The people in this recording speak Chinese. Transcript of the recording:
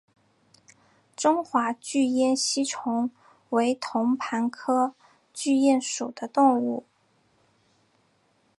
中华巨咽吸虫为同盘科巨咽属的动物。